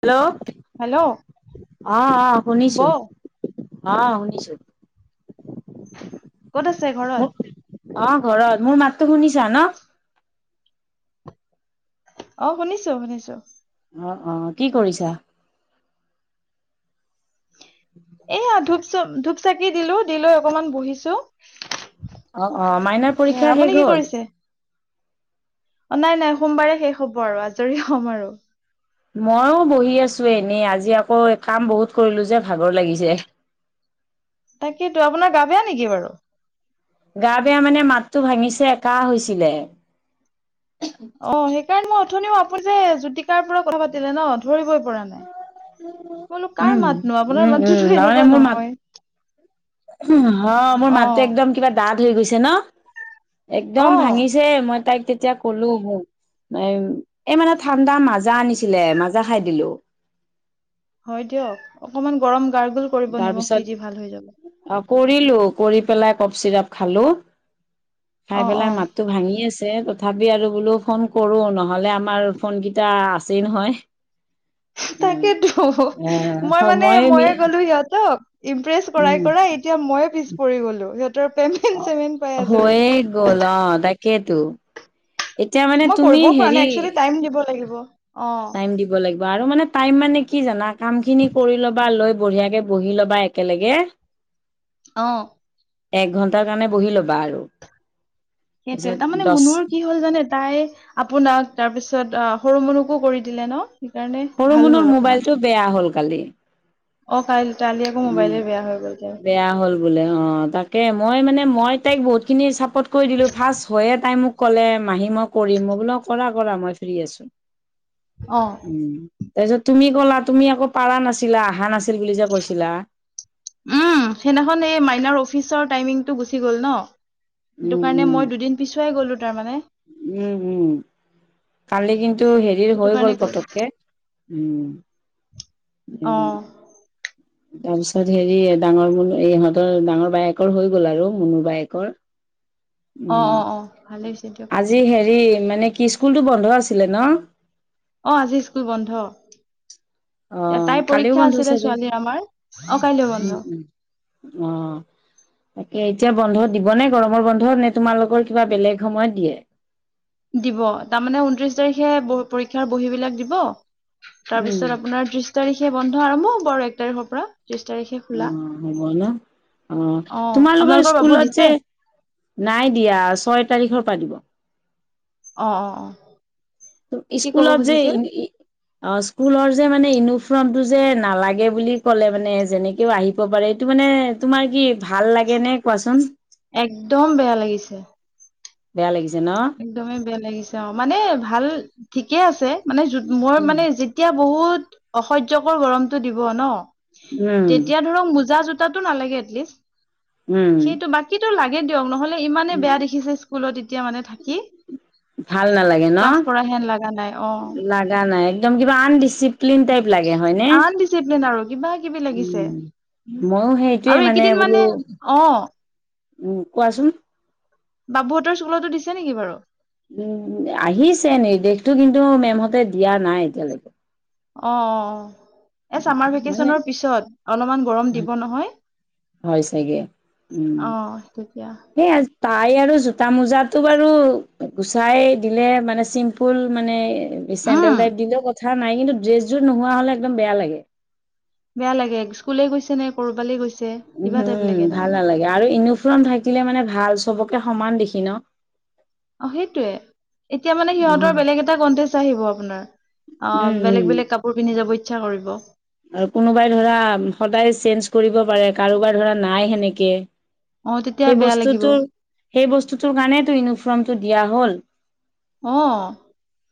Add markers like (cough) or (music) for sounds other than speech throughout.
Hello, hello অ, অ, বৌ শুনিছো। অ, শুনিছো। ক'ত আছে, ঘৰত? মোৰ অ, ঘৰত মোৰ মাতো শুনিছা ন,? অ, শুনিছো শুনিছো। অ, অ, কি কৰিছা? এয়া ধূপ-চূপ, ধূপ-চাকি দিলো, দি লৈ অকনমান বহিছো। অ, অ, মাইনাৰ এ পৰীক্ষা আপুনি শেষ কি হ'ল? কৰিছে নাই নাই সোমবাৰে শেষ হ'ব আৰু আজৰি হম আৰু। মইও বহি আছো এনেই, আজি আকৌ কাম বহুত কৰিলো যে ভাগৰ লাগিছে। তাকেতো আপোনাৰ গা বেয়া নেকি, বাৰু? গা, বেয়া মানে, মাতটো ভাঙিছে কাঁহ হৈছিলে। অ, সেইকাৰণে মই উঠনিও আপুনি যে, জুতিকাৰ পৰা কথা পাতিলে ন, ধৰিবই পৰা নাই। বোলো কাৰ উম মাত নো, আপোনাৰ উম উম মাতটোতো এনেকুৱা নহয়। হ, মোৰ অ মাতটো একদম কিবা ডাঠ হৈ গৈছে ন? অ একদম ভাঙিছে, মই তাইক তেতিয়া কলো মোক, এই মানে ঠাণ্ডা মাজা আনিছিলে মাজা খাই দিলো। হয় দিয়ক, অকমান গৰম গাৰ্গোল কৰিব নিমখ তাৰপিছত দি, দি, ভাল হৈ যাব। অ, কৰিলো, কৰি পেলাই কপ চিৰাপ খালো। অ খাই, অ পেলাই মাত ভাঙি আছে, তথাপি আৰু বোলো ফোন কৰো, নহ'লে আমাৰ ফোন কেইটা আছেই নহয়। তাকেতো, উম মই মানে সময় মি ময়ো কলো সিহঁতক। ইমপ্ৰেছ কৰাই, উম কৰাই, এতিয়া মইয়ে পিছ পৰি গ'লো, সিহঁতৰ পেমেণ্ট-চেমেণ্ট পাই আজৰি। হৈয়ে গ'ল অ, তাকেইতো। এতিয়া মানে মই তুমি কৰিবও পৰা হেৰি নাই এক্সুৱেলি, টাইম দিব লাগিব। অ, দি লাগিব, আৰু মানে টাইম মানে কি জানা, কাম খিনি কৰি ল'বা, লৈ বঢ়িয়াকে বহি ল'বা একেলগে অ, এক ঘণ্টাৰ কাৰণে বহি ল'বা আৰু। সেইটয়ে, তাৰ তাৰপিছত মানে দহ মুনুৰ কি কি হ'ল জানে, তাই আপোনাক তাৰ পিছত অ, সৰু মুনুকো কৰি দিলে ন, সেইকাৰণে, সৰু ভাল মনৰ হ'ল অকমান। মোবাইলটো বেয়া হ'ল, কালি। অ, কালি-কালি আকৌ উম মোবাইলে বেয়া হৈ গ'ল, তাইৰ। বেয়া হ'ল। বোলে অ', তাকে মই মানে মই তাইক বহুতখিনি চাপৰ্ট কৰি দিলো ফাৰ্ষ্ট হয়য়ে তাই মোক ক'লে মাহী মই কৰিম, মই বোলো কৰা কৰা মই ফ্ৰী আছো। অ'। উম, তাৰপিছত তুমি ক'লা, তুমি আকৌ পাৰা নাছিলা অহা নাছিল বুলি যে কৈছিলা। উম, সেইদিনাখন এই মাইনাৰ অফিচৰ টাইমিংটো গুচি গ'ল ন, সেইটো উম কাৰণে উম মই দুদিন পিছুৱাই গ'লো তাৰ মানে। উম, উম কালি কিন্তু হেৰি সেইটো হৈ কাৰণে গ'ল গ'লো পতককে। উম, উম। অ (unintelligible) তাৰ পিছত হেৰি ডাঙৰ মুনু এই ইহঁতৰ ডাঙৰ বায়েকৰ হৈ গ'ল আৰু মুনু বায়েকৰ। অ', অ', অ' ভালে হৈছে দিয়ক। জি হেৰি মানে কি স্কুলতটো বন্ধ আছিলে ন? অ' আজি স্কুল বন্ধ। অ এ তাই কালিও পৰীক্ষা বন্ধ আছিলে চাগে ছোৱালীৰ আমাৰ, অ' কাইলৈ উম বন্ধ। উম অ' তাকে, এতিয়া বন্ধ দিব নে গৰমৰ বন্ধ, নে তোমালোকৰ কিবা বেলেগ সময়ত দিয়ে? দিব। তাৰমানে ঊনত্ৰিশ তাৰিখে পৰীক্ষাৰ বহী বিলাক দিব। উম তাৰপিছত আপোনাৰ ত্ৰিশ তাৰিখে বন্ধ আৰম্ভ হব। আৰু এক তাৰিখৰ পৰা ত্ৰিশ তাৰিখে খোলা অ' হব ন? অ' তোমালোকৰ আপোনালোকৰ বাবুৰ স্কুলত দিছে যে নাই দিয়া ছয় তাৰিখৰ পৰা দিব। অঁ, অঁ, অঁ। স্কুলৰ যে ই ই অ' স্কুলৰ যে মানে ইউনিফৰ্মটো যে নালাগে বুলি ক'লে মানে যেনেকেও আহি ব পাৰে এইটো মানে তোমাৰ কি ভাল লাগে নে কোৱাচোন? একদম বেয়া লাগিছে। বেয়া লাগিছে ন? একদমেই বেয়া লাগিছে, অ' মানে ভাল ঠিকে আছে, মানে যো মই মানে তিয়া বহুত অসহ্যকৰ গৰমতটো দিব ন, উম তেতিয়া ধৰক মুজা জোত তাতো নালাগে এটলিষ্ট। উম। কিটো লাগে দিয়ক। নহ'লে ইমানেই বেয়া দেখিছে, স্কুলত এতিয়া মানে থা ভাল নালাগে ন? কৰা হেন লগা নাই অ লাগা নাই। একদম কিবা আনডিচিপ্লিন টাইপ লাগে হয়নে? ডিচিপ্লিন আৰু কিবা কিবি লাগিছে, উম, ময়ো সেইটোৱে আৰু এইকেইদিন বোলো মানে অ' উম, কোৱাচোন? বাবুহঁতৰ স্কুলতো দিছে নেকি বাৰু? উম, আহিছে নিৰ্দেশটো কিন্তু, মেমহঁতে দিয়া নাই এতিয়ালৈকে। অ, অ, অ। এ চামাৰ মানে ভেকেচনৰ পিছত, অলপমান গৰম দিব নহয়। হয় চাগে। অ, তেতিয়া। সেইয়া, ট্ৰাই আৰু জোতা-মোজাটো বাৰু গুচাই দিলে মানে চিম্পুল মানে উম চেণ্ডেল টাইপ দিলেও কথা নাই কিন্তু, ড্ৰেছযোৰ নোহোৱা হ'লে একদম বেয়া লাগে। বেয়া লাগে স্কুলে গৈছে নে, ক'ৰবালে গৈছে? কিবা টাইপ হুম, লাগে ভাল তাৰমানে নালাগে আৰু ইউনিফৰ্ম থাকিলে মানে ভাল, চবকে সমান দেখি ন? অ, সেইটোয়ে। এতিয়া মানে সিহঁতৰ নহয় বেলেগ এটা কনটেষ্ট আহিব আপোনাৰ। অ, উম, বেলেগ উম। বেলেগ কাপোৰ পিন্ধি যাব ইচ্ছা কৰিব। আৰু কোনোবাই ধৰা সদায় চেঞ্জ কৰিব পাৰে, কাৰোবাৰ ধৰা নাই সেনেকে। অ তেতিয়া সেই বেয়া লাগিব বস্তুটোৰ, সেই বস্তুটোৰ কাৰণেইটো ইউনিফৰ্মটো দিয়া হ'ল। অ'।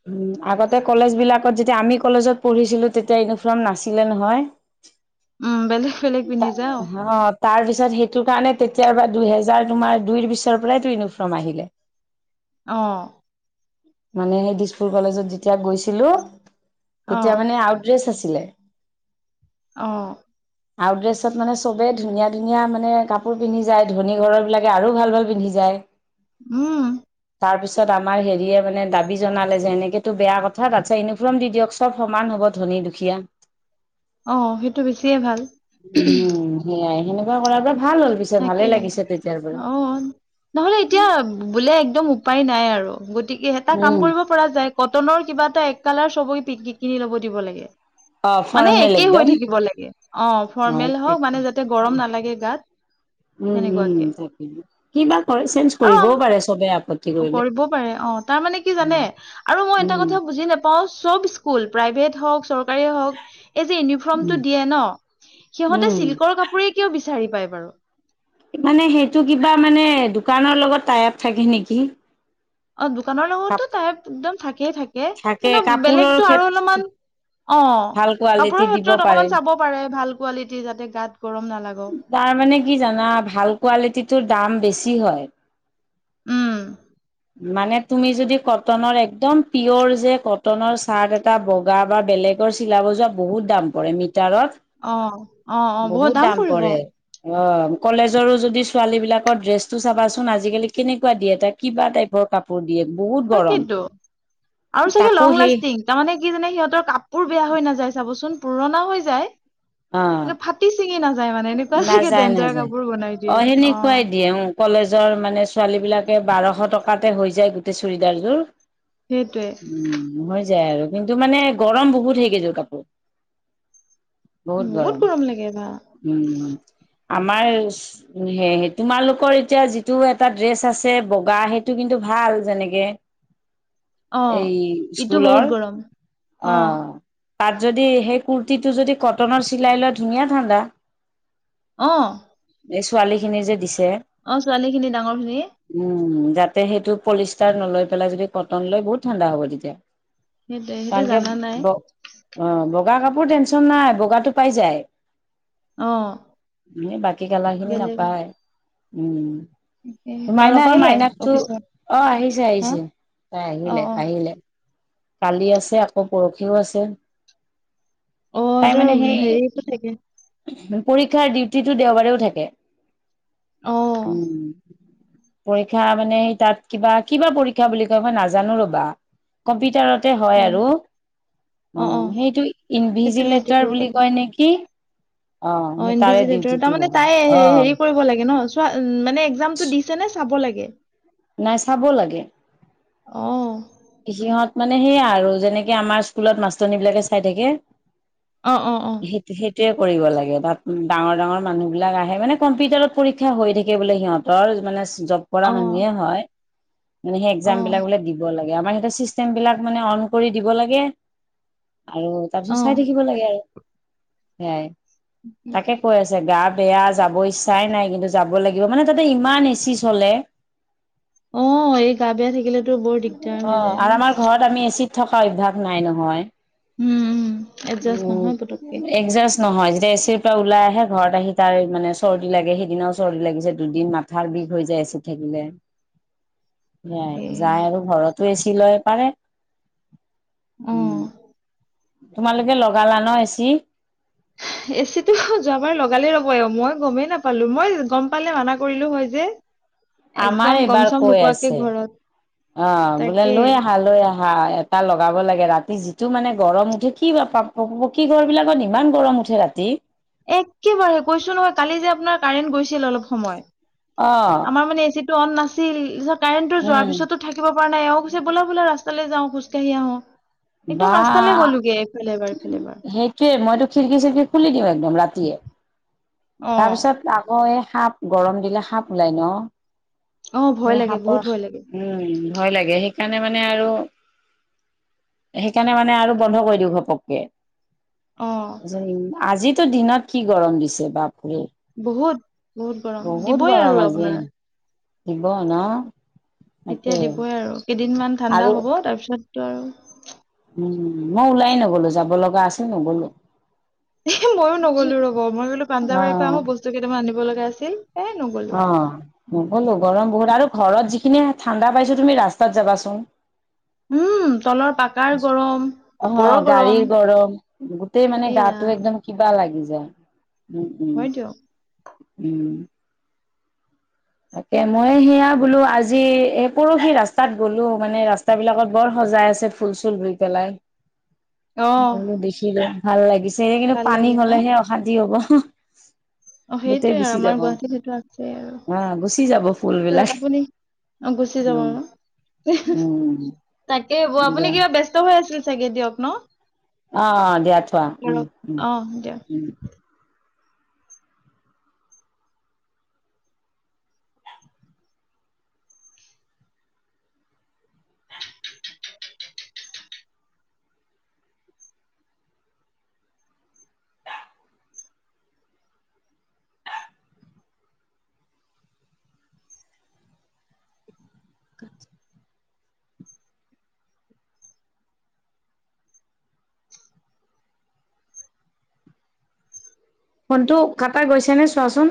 উম, আগতে কলেজ বিলাকত যেতিয়া আমি কলেজত পঢ়িছিলো, তেতিয়া ইউনিফৰ্ম না ছিলে নহয়। উম, বেলেগ বেলেগ তা পিন্ধি যাওঁ। হ তাৰপিছত, সেইটো কাৰণে তেতিয়াৰ পৰা দুহেজাৰ তোমাৰ দুই পিছৰ পৰাইটো ইউনিফৰ্ম আহিলে। অ। মানে সেই দিছপুৰ কলেজত যেতিয়া গৈছিলো, তেতিয়া অ', মানে আউ ট ড্ৰেছ আছিলে। অ'। আউট ড্ৰেছত মানে চবেই ধুনীয়া ধুনীয়া মানে কাপোৰ পিন্ধি যায়। ধনী ঘৰৰ বিলাকে আৰু ভাল ভাল পিন্ধি যায়। উম। তাৰপিছত আমাৰ হেৰিয়ে মানে দাবী জনালে যে, এনেকেটো বেয়া কথা, তাৰপিছত ইউনি ফৰ্ম দি দিয়ক চব সমান হ'ব, ধনী দুখীয়া। অ' সেই টো বেছিয়ে ভাল। উম, হেয়াই। সেনেকুৱা কৰাৰ পৰা ভাল হ'ল। পিছে তাকে ভালে লাগিছে তেতিয়াৰ পৰা। অ'। নহ'লে এতিয়া, বোলে একদম উপায় নাই আৰু গতিকে এটা কাম উম কৰিব পৰা যায়, কটনৰ কিবা এটা এক কালাৰ চবকে পি কি কিনি ল'ব দিব লাগে। অ মানে ফৰ্মেল একেই হৈ একদম থাকিব লাগে। অ, হয় ফৰৰ্মেল হওঁক এইটোৱে মানে যাতে গৰম নালাগে গাত। উম সেনেকুৱাকে উম তাকে। কিবা কয়? চেঞ্জ কৰিবও পাৰে চবে আপত্তি কৰিলে। কৰিবও পাৰে, অ। তাৰ মানে কি উম জানে? আৰু মই এটা উম কথা বুজি না পাওঁ চব স্কুল প্ৰাইভেট হওঁক, চৰকাৰী হওক এই যে ইউনি ৰ্ফমটো উম দিয়ে ন। সিহঁতে উম চিল্কৰ কাপোৰে কিয় বিচাৰি পায় বাৰু? মানে সেইটো কিবা মানে দোকানৰ লগত টাই আপ থাকে নেকি। অ, দোকানৰ কাপ লগতটো টাই আপ একদম থাকেই থাকে কিন্তু কাপোৰৰ বেলেগতো আৰু ক্ষেত্ৰত অলপমান অ' ভাল কোৱালিটি কাপোৰৰ দিব ক্ষেত্ৰত পাৰে অকমান চাব পাৰে, ভাল কোৱালিটি যাতে গাত গৰম নালাগক। তাৰ মানে কি জানা? ভাল কোৱালিটি টোৰ দাম বেছি হয়। উম। মানে তুমি যদি কটনৰ একদম প্ৰিয়ৰ যে, কটনৰ চাৰ্ট এটা বগা বা বেলেগ ৰ চিলাব যোৱা বহুত দাম পৰে মিটাৰত। অ' অ' অ' বহুত দাম পৰিব। অ' কলেজৰো যদি ছোৱালী বিলাকৰ ড্ৰেছটো চাবাচোন আজিকালি কেনেকুৱা দিয়ে কিবা টাইপৰ কাপোৰ দিয়ে বহুত গৰম তাকেইতো আৰু চাগে তাকো লং সেই লাষ্টিং তাৰমানে কি জানে সিহঁতৰ কাপোৰ বেয়া হৈ নাযায় চাবচোন পুৰণা হৈ যায়। অ' মানে ফাটি চিঙি নাযায় মানে এনেকুৱা চাগে নাযায় ডেঞ্জাৰ নাযায়। কাপোৰ বনাই দিয়ে সেনেকুৱাই অ'। দিয়ে উম, কলেজৰ মানে ছোৱালী বিলাকে বাৰশ টকাতে হৈ যায় গোটেই চুৰিদাৰযোৰ। সেইটোৱে। উম, হৈ যায় আৰু কিন্তু মানে গৰম বহুত সেই কেইযোৰ কাপোৰ। বহুত গৰম উম আমাৰ সেই তোমালোকৰ এতিয়া যিটো এটা ড্ৰেচ আছে বগা হেইটো কিন্তু ভাল যেনেকে (inaudible) অ এই ইটো বহুত স্কুলৰ গৰম অ আহ তাত যদি সেই কুুৰ্তীটো যদি কটনৰ চিলাই লোৱা, ধুনীয়া ঠাণ্ডা। অহ'। এই ছোৱালী খিনি যে দিছে। অ' ছোৱালী খিনি ডাঙৰ খিনি। উম উম উ, যাতে সেইটো পলিষ্টাৰ নলৈ পেলাই যদি কটন লৈ বহুত ঠাণ্ডা হ'ব তেতিয়া। সেইটোৱে সেইটো ভালকে জানা নাই বহ। অ' বগা কাপোৰ টেনচন নাই বগাটো পাই যায়। অ এনে বাকী কালাৰ খিনি বেলেগ নাপায় উম উ। এ মাইনা তোমালোকৰ আহিলে মাইনাকতো অফিচৰ অ' আহিছে হা আহিছে তাই অ আহিলে অ আহিলে। কালি আছে আকৌ পৰখিও আছে। অ তাই এইটোৰ মানে সেই ঢি হেৰিটো থাকে ঢি পৰীক্ষাৰ ডিউটিটো দেওবাৰেও থাকে। অ উম উ। পৰীক্ষা মানে সেই তাত কিবা কিবা পৰীক্ষা বুলি কয় মই নাজানোঁ ৰবা কম্পিউটাৰ তে হয় অ আৰু অ উম, অ সেইটো সেইটো ডিউটি ইনভিজিলেটাৰ কৰিব বুলি লাগে কয় নেকি? অ' সেই তাৰে ইনভিজিলেটাৰ ডিউটিটো তাৰমানে তাই হে অ হেৰি কৰিব লাগে ন। তোমাৰ মানে এক্সামটো দিছে নে চাব লাগে। তাই চাব লাগে। অঁ' অ। সিহঁত মানে সেয়া আৰু যেনেকে আমাৰ স্কুলত মাষ্টৰনীবিলাকে চাই থাকে। অঁ' অ'। সেই সেইটোৱে কৰিব লাগে তাত ডাঙৰ-ডাঙৰ মানুহ বিলাক আহে মানে কম্পিউটাৰত পৰীক্ষা হৈ থাকে বোলে সিহঁতৰ। তই যিমানে জব অ কৰা মানুহে হয় মানে সেই অ এক্সাম বিলাক বোলে দিব লাগে। আমাৰ সিহঁতৰ চিষ্টেম বিলাক মানে অন কৰি দিব লাগে। আৰু অ তাৰপিছত চাই থাকিব লাগে আৰু সেয়াই তাকে। কৈ আছে গা বেয়া যাব ইচ্ছাই নাই। কিন্তু যাব লাগিব মানে তাতে ইমান এচি চলে। অঁ অ, এই গা বেয়া থাকিলে। অ' অ অ আৰু আমাৰ ঘৰত আমি এচিত থকা অভ্যাস নাই নহয়। উমহু। উ উ জ একজাষ্ট নহয়, যেতিয়া এচিৰ পৰা ওলাই আহে ঘৰত আহি তাৰ মানে চৰ্দি লাগে সেইদিনাও চৰ্দি লাগিছে দুদিন মান ঘাৰ বিষ হৈ যায় এচিত থাকিলে। এ সেইয়াই যায় আৰু ঘৰতো এচি লয় পাৰে। অ উম উ, তোমালোকে লগালা ন এচি? এচিটো হ যোৱাবাৰ লগালে ৰ'ব অ' মই গমেই নাপালোঁ। মই গ'ম পালে মানা কৰিলোঁ হয় যে। একদম আমাৰ গম এইবাৰ চম কৈ নোপোৱাকে আছে ঘৰত অ' বোলে তাকে লৈ আহা লৈ আহা। হা এটা লগাব লাগে ৰাতি যিটো মানে গৰম উঠে কিবা পক পকী ঘৰ বিলাকত ইমান গৰম উঠে। যে ৰাতি। একেবাৰে কৈছো নহয় কালি যে আপোনাৰ কাৰেণ্ট গৈছিল অলপ সময়। অ অ। তাৰমানে এচিটো অন নাছিল পিছত কাৰেন্টো যোৱাৰ উম, পিছতো থাকিব পৰা নাই এওঁ পিছত বলা বলা ৰাস্তালৈ যাওঁ খোজকাঢ়ি আহো। বা একদম ৰাস্তাল গ'লোগে এফালে এবাৰ ইফালে এবাৰ। কিয়ে মইতো খিৰিকী-চিৰিকি খুলি দিওঁ একদম ৰাতিয়ে অ তাৰপিছত আকৌ এই সাপ গৰম দিলে সাপ ওলাই ন অ ভয় সেই লাগে সাপৰ বহুত ভয় লাগে উম উ উ, ভয় লাগে সেইকাৰণে মানে আৰু সেইকাৰণে মানে আৰু বন্ধ কৰি দিওঁ ঘপককে অ আজিতো দিনত কি গৰম দিছে বাপৰে বহুত বহুত গৰম বহুত দিবই গৰম আৰু আজি আপোনাৰ দিব না এতিয়া দিবই আৰু কেইদিনমান ঠাণ্ডা আৰু হ'ব তাৰ পিছতটো আৰু উম মই ওলায়ে নগলো যাব লগা আছিল নগলোৱে এ মইয়ো নগ'লো ৰব মই ক'লো অ পাঞ্জাবাৰীৰ পৰা আহো বস্তু কেইটামান আনিব লগা আছিল এ নগলো অ নগলো গৰম বহুত আৰু ঘৰত যিখিনি ঠাণ্ডা পাইছো তুমি ৰাস্তাত যাবাচোন উম তলৰ পাকাৰ গৰম অ ওপৰৰ গৰম গাড়ীৰ গৰম গোটেই মানে এই গাটো ৰাম একদম কিবা লাগি যায় উম উম হয় দিয়ক উম তাকে মই সেয়া বোলো আজি এ পৰহি ৰাস্তাত গ'লো মানে ৰাস স্তাবিলাকত বৰ সজাই আছে ফুল চুল ৰুই পেলাই (inaudible) অ বলো দেখিলো ভাল লাগিছে এতিয়া কিন্তু ভাল পানী লাগে ন হলেহে অশান্তি হ'ব অ গোটেই সেইটোয়ে আৰু গুচি আমাৰ যাব। গুৱাহাটীত সেইটো আছে আৰু আহ গুচি যাব ফুল তেওঁক বিলাক, আপুনি অ গুচি যাব উম আৰু উম তাকে হব আপুনি দিয়া। কিবা ব্যস্ত হৈ আছিল চাগে দিয়ক ন অ অ দিয়া থোৱা উম কৰক উম অ দিয়ক উম (inaudible) ফোনটো কাটা গৈছে নে চোৱাচোন